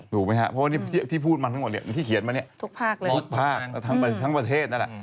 ถูกไหมครับเพราะว่าที่พูดมาทั้งหมดเนี่ยที่เขียนมาเนี่ยทุกภาคเลยทุกภาคทั้งประเทศนั่นแหละ